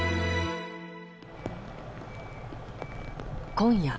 今夜。